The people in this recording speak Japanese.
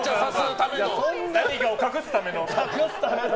何かを隠すための。